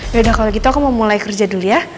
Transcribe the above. yaudah kalau gitu aku mau mulai kerja dulu ya